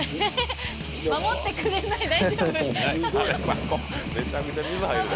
守ってくれない大丈夫？